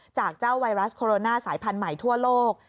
จากเจ้าไวรัสโคโรนาสายพันธุ์ใหม่ทั่วโลก